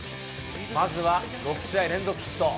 まずは６試合連続ヒット。